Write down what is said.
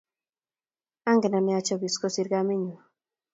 Angen ane achopis kosir kamenyu